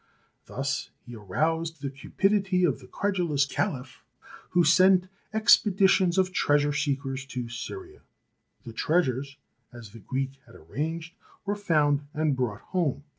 Thus he aroused the cupidity of the cred ulous Caliph, who sent expeditions of treasure seekers to Syria; the treasures, as the Greek had arranged, were found and brought home.